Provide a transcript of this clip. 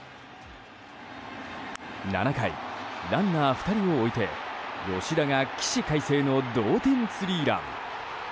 ７回、ランナー２人を置いて吉田が起死回生の同点スリーラン。